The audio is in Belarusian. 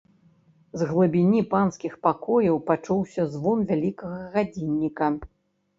З глыбіні панскіх пакояў пачуўся звон вялікага гадзінніка.